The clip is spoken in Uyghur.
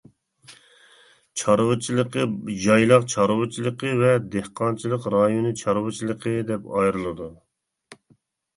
چارۋىچىلىقى يايلاق چارۋىچىلىقى ۋە دېھقانچىلىق رايونى چارۋىچىلىقى دەپ ئايرىلىدۇ.